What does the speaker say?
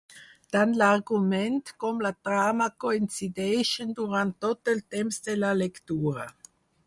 Tant l'argument com la trama coincideixen durant tot el temps de la lectura.